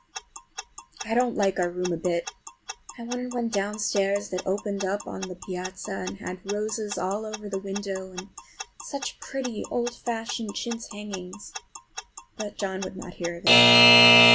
I don't like our room a bit. I wanted one downstairs that opened on the piazza and had roses all over the window, and such pretty old fashioned chintz hangings! but John would not hear of it.